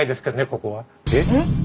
ここは。えっ？